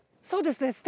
そうですね。